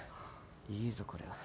いいぞこれは。